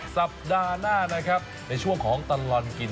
สัปดาห์หน้านะครับในช่วงของตลอดกิน